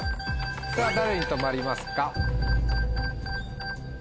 誰に止まりますか。